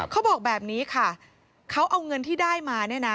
เขาบอกแบบนี้ค่ะเขาเอาเงินที่ได้มาเนี่ยนะ